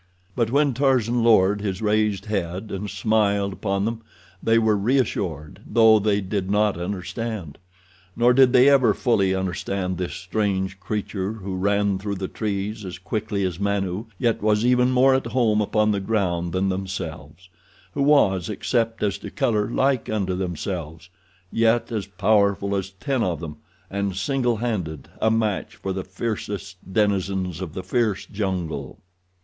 But when Tarzan lowered his raised head and smiled upon them they were reassured, though they did not understand. Nor did they ever fully understand this strange creature who ran through the trees as quickly as Manu, yet was even more at home upon the ground than themselves; who was except as to color like unto themselves, yet as powerful as ten of them, and singlehanded a match for the fiercest denizens of the fierce jungle.